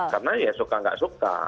karena ya suka nggak suka